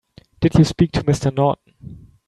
Did you speak to Mr. Norton?